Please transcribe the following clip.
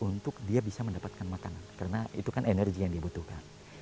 untuk dia bisa mendapatkan makanan karena itu kan energi yang dibutuhkan